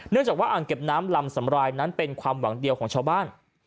จากว่าอ่างเก็บน้ำลำสำรายนั้นเป็นความหวังเดียวของชาวบ้าน